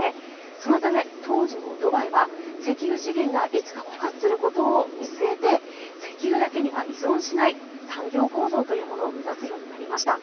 そのため、当時のドバイは石油資源がいつか枯渇することを見据えて石油だけに依存しない産業構造というものを目指すようになりました。